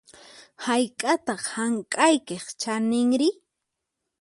Hayk'ataq hank'aykiq chaninri?